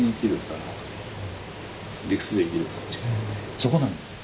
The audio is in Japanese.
そこなんですよ。